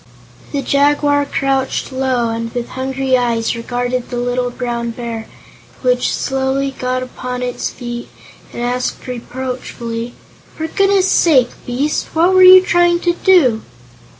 The Jaguar crouched low and with hungry eyes regarded the little Brown Bear, which slowly got upon its feet and asked reproachfully: "For goodness' sake, Beast, what were you trying to do?"